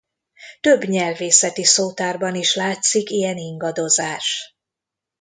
Több nyelvészeti szótárban is látszik ilyen ingadozás.